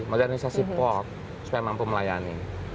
modernisasi port supaya mampu melayani